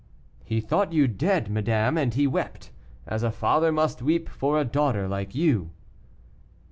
"He thought you dead, madame, and he wept, as a father must weep for a daughter like you."